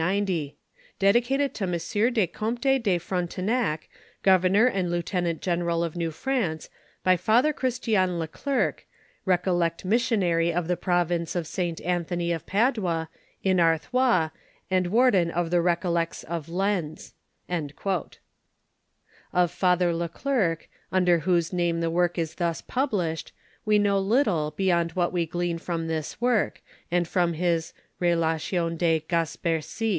Dedicated to M. de Comte de Frontenao, Gov ernor and Lieutenant General of New France, by Father Christian le Clercq, Recollect Missionary of the Province of St Anthony of Padua, in Artliois, and Warden of the Recollects of Lena" Of Father lo Clercq, under whose name the work is thus published, we know little beyond what we glean from this work, and from his Relation de Oatpetic.